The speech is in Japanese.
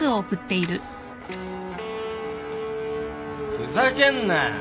・ふざけんな！